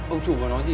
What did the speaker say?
ông chủ có nói gì ạ